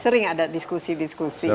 sering ada diskusi diskusi